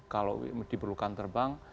kalau diperlukan terbang